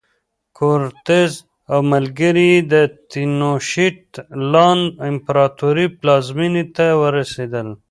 کورټز او ملګري یې د تینوشیت لان امپراتورۍ پلازمېنې ته ورسېدل.